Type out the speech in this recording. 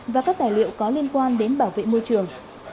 và các tài liệu có liên quan đến bảo vệ môi trường